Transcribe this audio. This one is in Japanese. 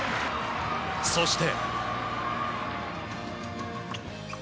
そして。